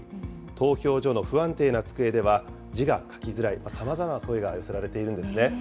投票所の不安定な机では字が書きづらい、さまざまな声が寄せられているんですね。